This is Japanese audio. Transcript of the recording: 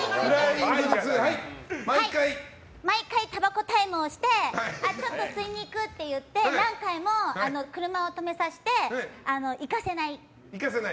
毎回、タバコタイムをしてちょっと吸いに行くって言って何回も車を止めさせて行かせない。